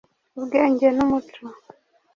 Ubwenge n'Umuco